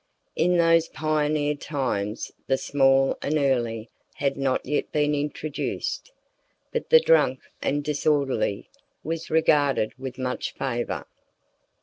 In those pioneer times the "small and early" had not yet been introduced, but "the drunk and disorderly" was regarded with much favor.